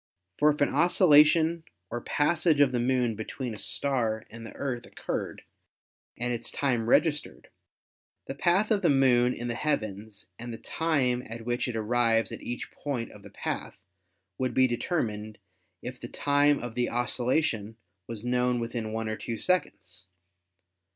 For if an occultation or passage of the Moon between a star and the Earth occurred and its time registered, the path of the Moon in the heavens and the time at which it arrives at each point of the path would be determined if the time of the occultation was known within one or two seconds.